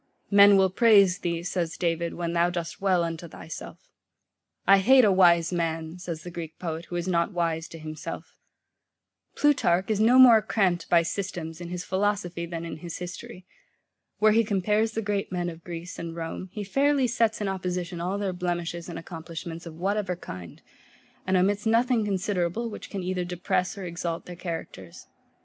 Men will praise thee, says David, [Footnote: Psalm 49th.] when thou dost well unto thyself. I hate a wise man, says the Greek poet, who is not wise to himself [Footnote: Here, Hume quotes Euripedes in Greek]. Plutarch is no more cramped by systems in his philosophy than in his history. Where he compares the great men of Greece and Rome, he fairly sets in opposition all their blemishes and accomplishments of whatever kind, and omits nothing considerable, which can either depress or exalt their characters.